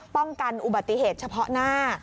ป้องกันอุบัติเหตุเฉพาะหน้า